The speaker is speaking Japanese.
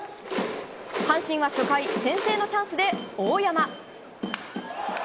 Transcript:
阪神は初回先制のチャンスで大山。